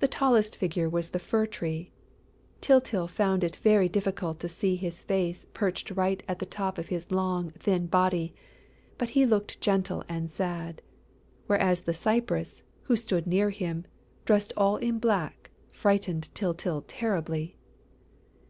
The tallest figure was the Fir tree: Tyltyl found it very difficult to see his face perched right at the top of his long, thin body; but he looked gentle and sad, whereas the Cypress, who stood near him, dressed all in black, frightened Tyltyl terribly.